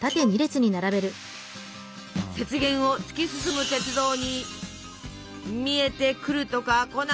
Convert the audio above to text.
雪原を突き進む鉄道に見えてくるとかこないとか。